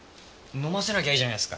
飲ませなきゃいいじゃないですか。